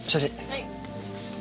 はい。